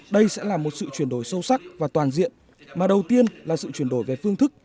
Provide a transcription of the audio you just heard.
đây sẽ là một sự chuyển đổi sâu sắc và toàn diện mà đầu tiên là sự chuyển đổi về phương thức